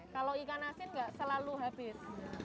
kalau ikan asin nggak selalu habis